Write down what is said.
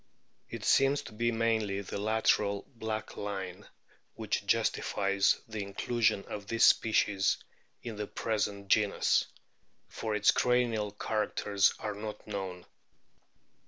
It seems to be mainly the lateral black line which justifies the inclusion of this species in the present genus, for its cranial characters are not known.